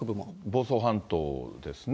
房総半島ですね。